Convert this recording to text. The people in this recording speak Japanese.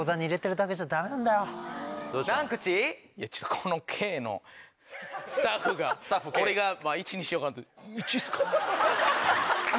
このＫのスタッフが俺が「１にしようか」って。